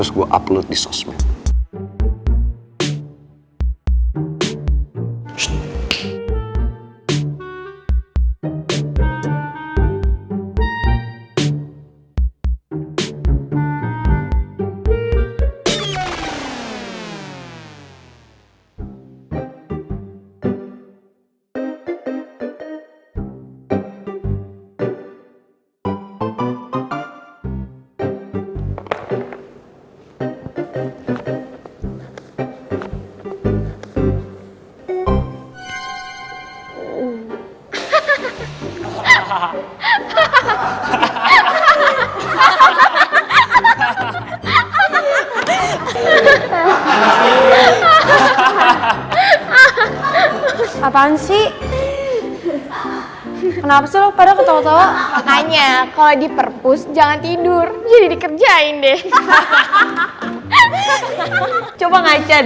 sampai jumpa di video selanjutnya